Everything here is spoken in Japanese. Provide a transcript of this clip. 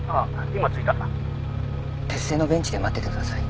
今着いた」鉄製のベンチで待っててください。